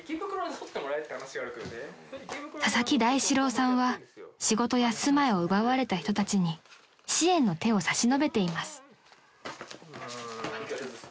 ［佐々木大志郎さんは仕事や住まいを奪われた人たちに支援の手を差し伸べています］